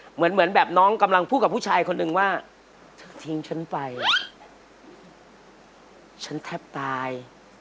เหมือนแบบน้องกำลังพูดกับผู้ชายคนหนึ่งว่าทิ้งฉันไปอะฉันแทบตาย